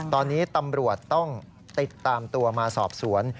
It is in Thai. ตอนนี้ตำรวจต้องติดตามตัวมาสอบสวน